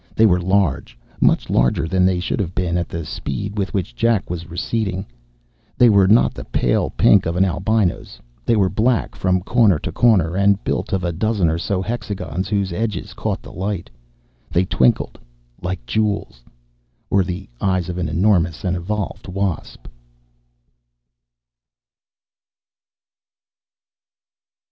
They were large, much larger than they should have been at the speed with which Jack was receding. They were not the pale pink of an albino's. They were black from corner to corner and built of a dozen or so hexagons whose edges caught the light. They twinkled. Like jewels. Or the eyes of an enormous and evolved wasp.